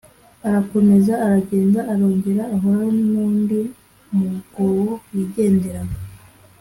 Arakomeza aragenda, arongera ahura n' undi mugobo wigenderaga,